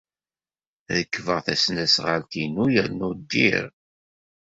Rekbeɣ tasnasɣalt-inu yernu ddiɣ.